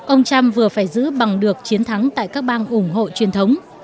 ông trump vừa phải giữ bằng được chiến thắng tại các bang ủng hộ truyền thống